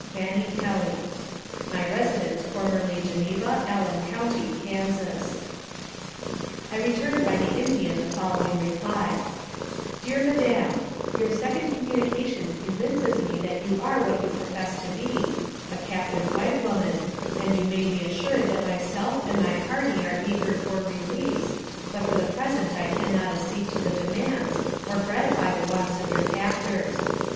"FANNY KELLY. "My residence formerly Geneva, Allen County, Kansas." I returned by the Indian the following reply : "DEAR MADAM: " Your second communication convinces me that you are what you profess to be, a captive white woman, and you may be assured that myself and my party are eager for release, but for the present I can not accede to the demands, or gratify the wants of your captors.